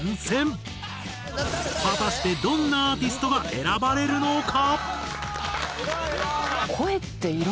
果たしてどんなアーティストが選ばれるのか！？